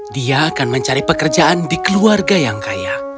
dia akan mencari pekerjaan di keluarga yang kaya